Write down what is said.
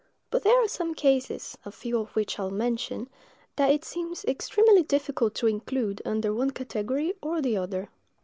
But there are some cases, a few of which I will mention, that it seems extremely difficult to include under one category or the other.